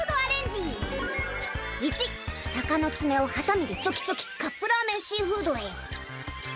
１鷹の爪をはさみでチョキチョキカップラーメンシーフードへ。